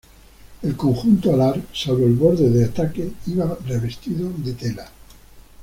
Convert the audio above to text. El conjunto alar, salvo el borde de ataque, iba revestido de tela.